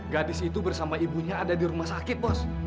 gadis itu bersama ibunya ada di rumah sakit bos